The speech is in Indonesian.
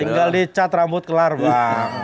tinggal dicat rambut kelar bang